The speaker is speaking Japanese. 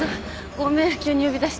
ごめん急に呼び出して。